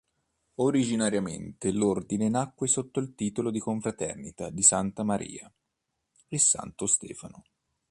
Originariamente l'ordine nacque sotto il titolo di confraternita di Santa Maria e Santo Stefano.